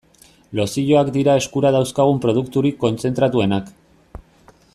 Lozioak dira eskura dauzkagun produkturik kontzentratuenak.